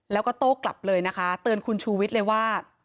แล้วก็โต้กลับเลยนะคะเตือนคุณชูวิทย์เลยว่า